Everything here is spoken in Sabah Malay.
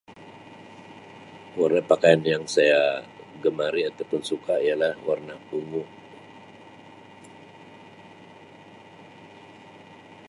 Warna pakaian yang saya gemari atau pun suka ialah warna ungu.